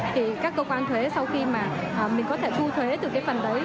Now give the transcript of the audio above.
thì các cơ quan thuế sau khi mà mình có thể thu thuế từ cái phần đấy